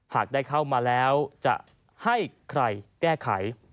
หากได้เข้ามาแล้วจะให้ใครแก้ไข